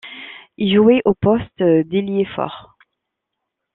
Il jouait au poste d'ailier fort.